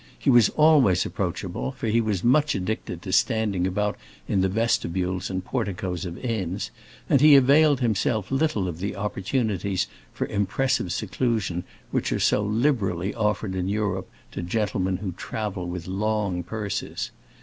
He was always approachable, for he was much addicted to standing about in the vestibules and porticos of inns, and he availed himself little of the opportunities for impressive seclusion which are so liberally offered in Europe to gentlemen who travel with long purses.